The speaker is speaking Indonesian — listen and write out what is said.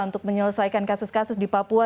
untuk menyelesaikan kasus kasus di papua